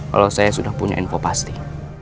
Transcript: kalau saya sudah punya info pasti